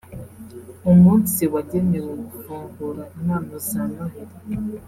umunsi wagenewe gufungura impano za Noheli